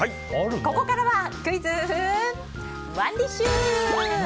ここからはクイズＯｎｅＤｉｓｈ！